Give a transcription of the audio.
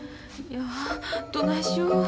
いやどないしよ。